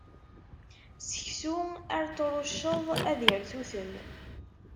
Seksu, ar t-trucceḍ, ad irtutem.